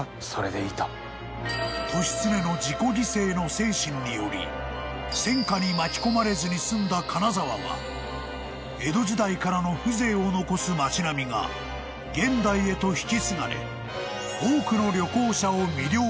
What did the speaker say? ［利常の自己犠牲の精神により戦火に巻き込まれずに済んだ金沢は江戸時代からの風情を残す町並みが現代へと引き継がれ多くの］